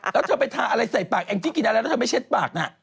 แล้วเธอไปทาอะไรใส่ปากแองจี้กินอะไรแล้วเธอไม่เช็ดปากน่ะ